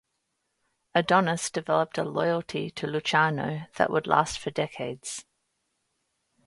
Adonis developed a loyalty to Luciano that would last for decades.